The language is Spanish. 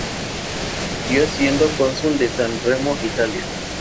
Murió siendo cónsul en San Remo, Italia.